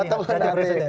bang sam ini